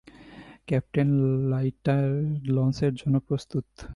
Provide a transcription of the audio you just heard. Captain Lightyear, লঞ্চের জন্য প্রস্তুত।